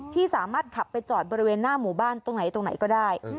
ที่สามารถขับไปจอดบริเวณหน้าหมู่บ้านตรงไหนตรงไหนก็ได้